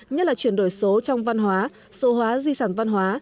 nhất là chuyển đổi số trong văn hóa số hóa di sản văn hóa